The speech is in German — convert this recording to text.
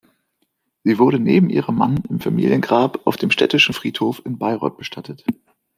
Sie wurde neben ihrem Mann im Familiengrab auf dem Städtischen Friedhof in Bayreuth bestattet.